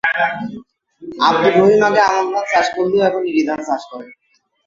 আবদুর রহিম আগে আমন ধান চাষ করলেও এখন ইরি ধান চাষ করে।